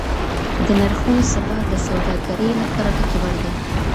د نرخونو ثبات د سوداګرۍ لپاره ګټور دی.